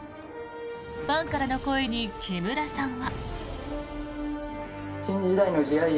ファンからの声に木村さんは。